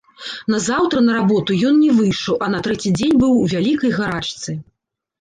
Назаўтра на работу ён не выйшаў, а на трэці дзень быў у вялікай гарачцы.